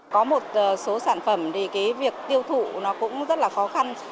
có một số sản phẩm thì cái việc tiêu thụ nó cũng rất là khó khăn